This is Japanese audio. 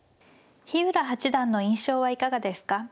日浦八段の印象はいかがですか。